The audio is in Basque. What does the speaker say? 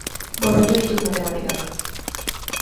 Gorroto ditut matematikak.